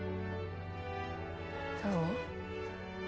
どう？